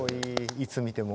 いつ見ても。